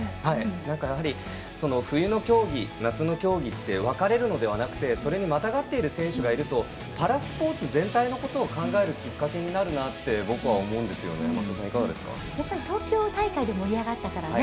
やはり、冬の競技、夏の競技って分かれるのではなくてまたがっている選手がいるとパラスポーツ全体のことを考えるきっかけになるなと僕は思うんですよね。